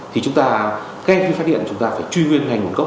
thì chúng ta cái khi phát hiện chúng ta phải